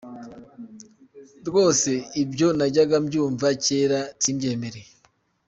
Rwose, ibyo najyaga mbyumva kera, simbyemere.